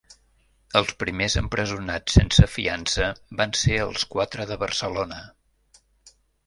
Els primers empresonats sense fiança van ser els quatre de Barcelona.